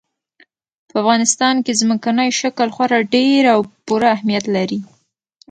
په افغانستان کې ځمکنی شکل خورا ډېر او پوره اهمیت لري.